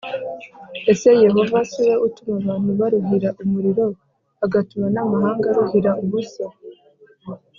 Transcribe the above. Ese Yehova si we utuma abantu baruhira umuriro agatuma n amahanga aruhira ubusa